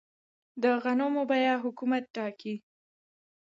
د غنمو بیه حکومت ټاکي؟